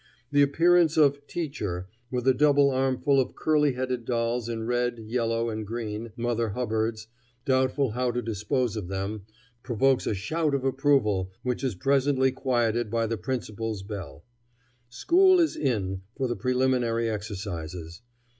The appearance of "teacher" with a double armful of curly headed dolls in red, yellow, and green Mother Hubbards, doubtful how to dispose of them, provokes a shout of approval, which is presently quieted by the principal's bell. School is "in" for the preliminary exercises.